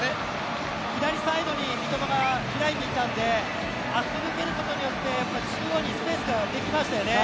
左サイドに三笘が開いていたんであそこに蹴ることによって中央にスペースができましたよね。